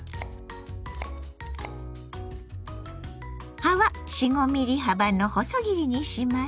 葉は４５ｍｍ幅の細切りにします。